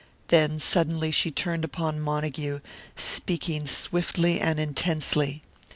Then suddenly she turned upon Montague, speaking swiftly and intensely.